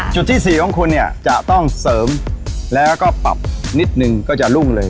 ที่๔ของคุณเนี่ยจะต้องเสริมแล้วก็ปรับนิดนึงก็จะรุ่งเลย